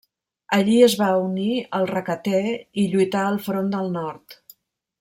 Allí es va unir al requeté i lluità al front del Nord.